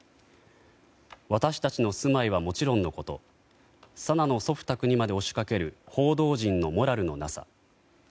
私たちの住まいはもちろんのこと紗菜の祖父宅にまで押しかける報道陣のモラルのなさ。